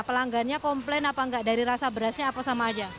pelanggannya komplain apa enggak dari rasa berasnya apa sama aja